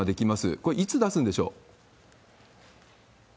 これ、いつ出すんでしょう？